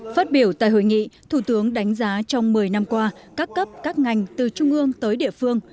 phát biểu tại hội nghị thủ tướng đánh giá trong một mươi năm qua các cấp các ngành từ trung ương tới địa phương